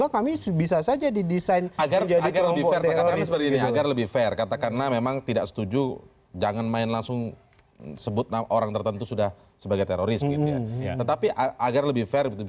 karena ini soal kemanusiaan